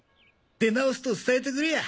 出直すと伝えてくれや。